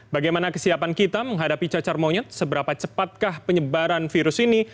bagaimana kesiapan kita menghadapi cacar monyet seberapa cepatkah penyebaran virus ini